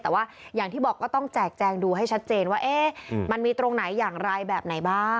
แต่ว่าอย่างที่บอกก็ต้องแจกแจงดูให้ชัดเจนว่ามันมีตรงไหนอย่างไรแบบไหนบ้าง